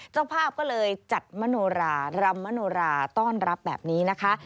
เจ้าภาพก็เลยจัดมโนรารำมโนราต้อนรับแบบนี้นะคะ